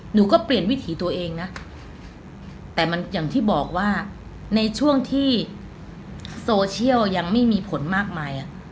หนูก็เปลี่ยนวิถีตัวเองนะแต่มันอย่างที่บอกว่าในช่วงที่โซเชียลยังไม่มีผลมากมาย